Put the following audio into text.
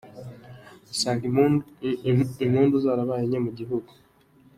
usanga impundu zarabaye nke mu gihugu.